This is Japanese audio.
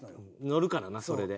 のるからなそれで。